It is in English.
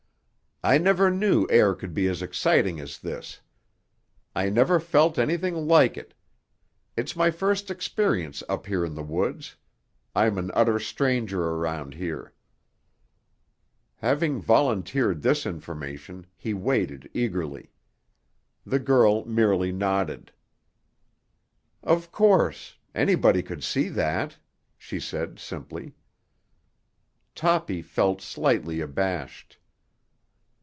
"I never knew air could be as exciting as this. I never felt anything like it. It's my first experience up here in the woods; I'm an utter stranger around here." Having volunteered this information, he waited eagerly. The girl merely nodded. "Of course. Anybody could see that," she said simply. Toppy felt slightly abashed.